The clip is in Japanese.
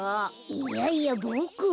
いやいやボクは。